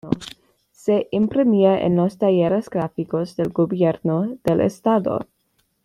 Se imprimía en los Talleres Gráficos del Gobierno del Estado.